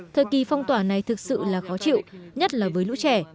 thời kỳ phong tỏa này thực sự là khó chịu nhất là với lũ trẻ